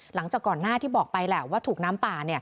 หลังจากก่อนหน้าที่บอกไปแหละว่าถูกน้ำป่า